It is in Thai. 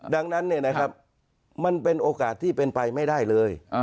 ดังนั้นมันเป็นโอกาสที่เป็นไปไม่ได้เลย